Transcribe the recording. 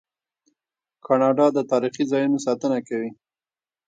کاناډا د تاریخي ځایونو ساتنه کوي.